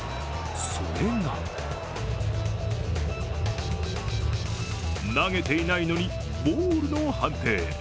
それが投げていないのに、ボールの判定。